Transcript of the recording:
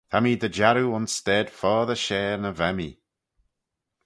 Ta mee dy jarroo ayns stayd foddey share na va mee.